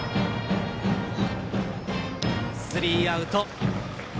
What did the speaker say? スリーアウト。